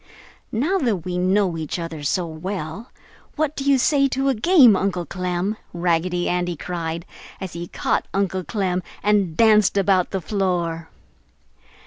"Now that we know each other so well, what do you say to a game, Uncle Clem?" Raggedy Andy cried, as he caught Uncle Clem and danced about the floor.